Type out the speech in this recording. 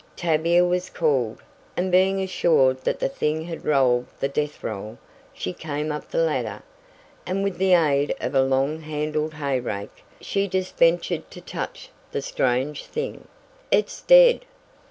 Tavia was called, and being assured that the thing had rolled the death roll, she came up the ladder, and with the aid of a long handled hay rake, she just ventured to touch the strange thing. "It's dead!"